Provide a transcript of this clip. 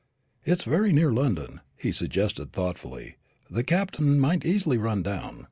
"It's very near London," he suggested thoughtfully; "the Captain might easily run down."